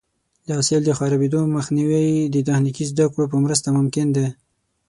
د حاصل د خرابېدو مخنیوی د تخنیکي زده کړو په مرسته ممکن دی.